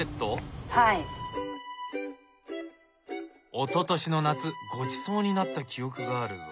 おととしの夏ごちそうになった記憶があるぞ。